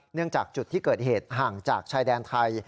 จากจุดที่เกิดเหตุห่างจากชายแดนไทย